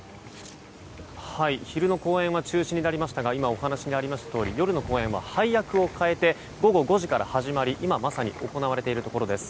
昼の公演は中止になりましたが今お話にありましたとおり夜の部は配役を変えて午後５時から始まり、今まさに行われているところです。